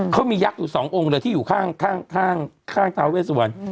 เขามียักษ์อยู่สององค์เลยที่อยู่ข้างท้าเวสวัน